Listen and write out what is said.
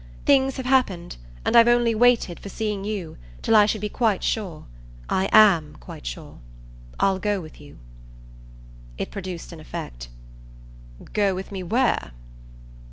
Things have happened, and I've only waited, for seeing you, till I should be quite sure. I AM quite sure. I'll go with you." It produced an effect. "Go with me where?"